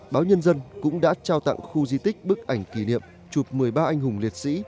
báo nhân dân cũng đã trao tặng khu di tích bức ảnh kỷ niệm chụp một mươi ba anh hùng liệt sĩ